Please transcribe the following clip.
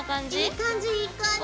いい感じいい感じ！